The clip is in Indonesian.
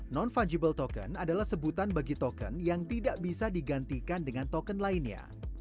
non fungible token adalah sebutan bagi token yang tidak bisa digantikan dengan token lainnya